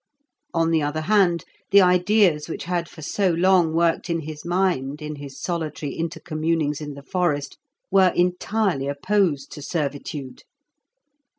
On the other hand, the ideas which had for so long worked in his mind in his solitary intercommunings in the forest were entirely opposed to servitude.